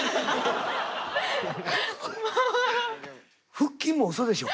腹筋もうそでしょ？